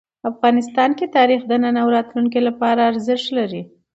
افغانستان کې تاریخ د نن او راتلونکي لپاره ارزښت لري.